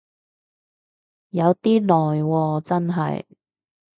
有啲耐喎真係